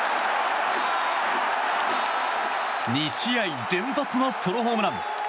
２試合連発のソロホームラン！